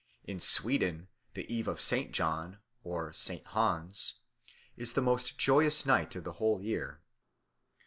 In Sweden the Eve of St. John (St. Hans) is the most joyous night of the whole year.